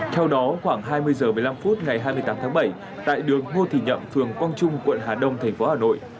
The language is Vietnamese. theo đó khoảng hai mươi h một mươi năm phút ngày hai mươi tám tháng bảy tại đường ngô thị nhậm phường quang trung quận hà đông thành phố hà nội